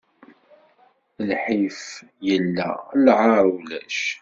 Lḥif illa, lɛaṛ ulac.